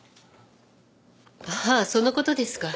ああその事ですか。